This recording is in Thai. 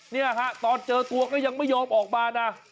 เนี่ยฮะตอนเจอตัวก็ยังไม่ยอมออกมานะ